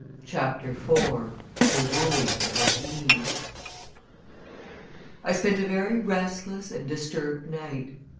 CHAPTER IV THE WOOING OF EVE I spent a very restless and disturbed night.